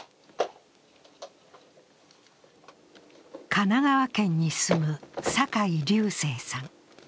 神奈川県に住む酒井隆成さん。